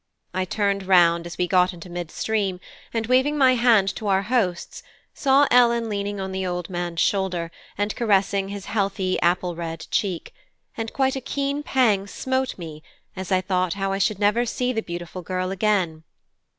I turned round as we got into mid stream, and waving my hand to our hosts, saw Ellen leaning on the old man's shoulder, and caressing his healthy apple red cheek, and quite a keen pang smote me as I thought how I should never see the beautiful girl again.